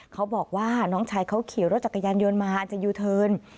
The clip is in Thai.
เขาบอกว่าน้องชายเขาขี่รถจักรยานยนต์มาจะยูเทิร์น